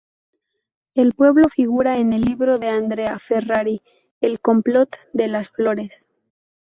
El pueblo figura en el libro de Andrea Ferrari ""el complot de Las Flores"".